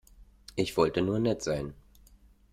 Ich wollte nur nett sein.